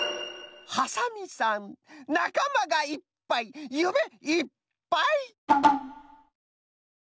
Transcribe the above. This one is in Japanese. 「ハサミさんなかまがいっぱいゆめいっぱい」。